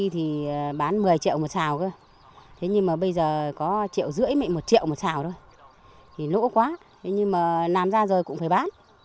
thế nhưng mà bây giờ có triệu rưỡi mấy một triệu một xào thôi thì lỗ quá thế nhưng mà làm ra rồi cũng phải bán